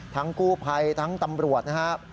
กู้ภัยทั้งตำรวจนะครับ